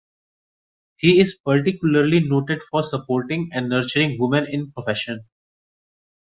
He is particularly noted for supporting and nurturing women in the profession.